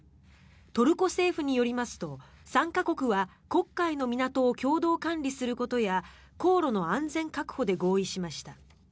トルコ政府によりますと参加国は黒海の港を共同管理することや航路の安全確保で合意しました。